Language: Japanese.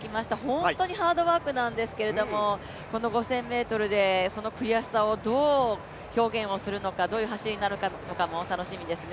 本当にハードワークなんですが、この５０００ｍでその悔しさをどう表現するのかどういう走りになるのかも楽しみですね。